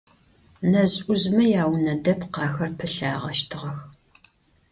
Нэжъ-ӏужъмэ яунэ дэпкъ ахэр пылъагъэщтыгъэх.